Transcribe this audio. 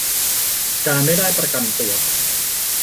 การไม่ได้ประกันตัว